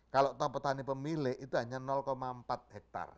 kalau tau petani pemilik itu hanya empat hektar